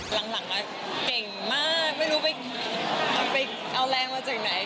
หลังก็เก่งมากไม่รู้ไปเอาแรงมาจากไหน